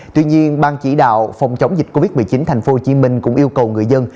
tuy nhiên ban chỉ đạo phòng chống dịch covid một mươi chín tp hcm cũng yêu cầu người dân